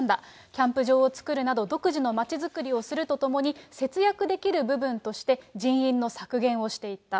キャンプ場を作るなど、独自のまちづくりをするとともに、節約できる部分として、人員の削減をしていった。